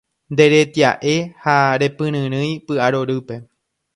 Nderetia'e ha repyryrỹi py'arorýpe